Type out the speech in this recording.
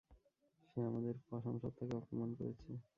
সে আমাদের পসাম সত্ত্বাকে অপমান করেছে।